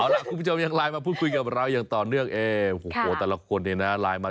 ล่ะคุณผู้ชมยังไลน์มาพูดคุยกับเราอย่างต่อเนื่องเอ๊โอ้โหแต่ละคนเนี่ยนะไลน์มา